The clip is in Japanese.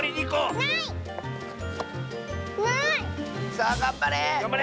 さあがんばれ！